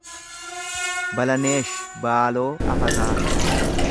Balaneesh Baaloo Afataa